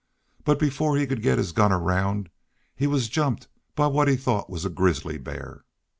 But before he could get his gun around he was jumped by what he thought was a grizzly bear.